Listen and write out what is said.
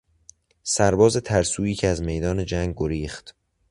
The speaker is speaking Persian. سرباز ترسویی که از میدان جنگ گریخت